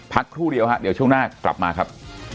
ครู่เดียวฮะเดี๋ยวช่วงหน้ากลับมาครับ